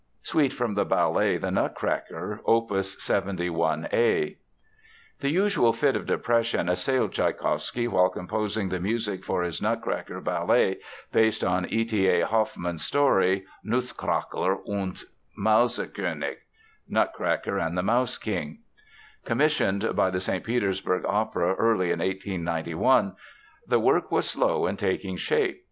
SUITE FROM THE BALLET, The Nutcracker, OPUS 71 A The usual fit of depression assailed Tschaikowsky while composing the music for his Nutcracker ballet, based on E. T. A. Hoffmann's story Nussknacker und Mausekönig ("Nutcracker and Mouse King"). Commissioned by the St. Petersburg Opera early in 1891, the work was slow in taking shape.